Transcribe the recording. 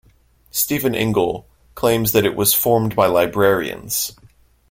Stephen Ingle claims that it was formed by Librarians.